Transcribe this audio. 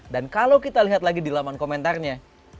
dan kalau kita lihat lagi di laman komentarnya